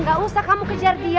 gak usah kamu kejar dia